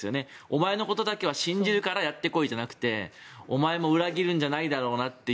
お前のことだけは信じるからやってこいじゃなくてお前も裏切るんじゃないだろうなって